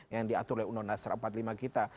yang diatur oleh undang undang dasar empat puluh lima kita